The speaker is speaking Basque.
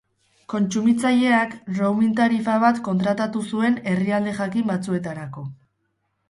Kontsumitzaileak roaming tarifa bat kontratatu zuen herrialde jakin batzuetarako.